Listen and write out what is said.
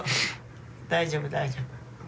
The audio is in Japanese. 大丈夫大丈夫。